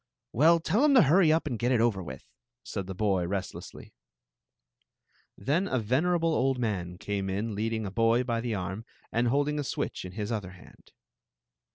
"Well, tell *em to hurry up and get it over with, said the boy, restlessly. Then a venerable old man came in leading a boy by the arm and holding a switch in his other hand.